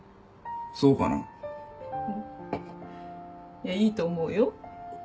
いやいいと思うよ。